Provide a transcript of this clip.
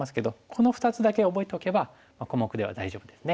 この２つだけ覚えておけば小目では大丈夫ですね。